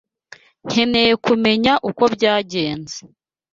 Nkeneye kumenya uko byagenze.